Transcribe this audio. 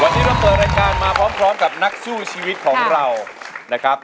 วันนี้เราเปิดรายการมาพร้อมกับนักสู้ชีวิตของเรานะครับ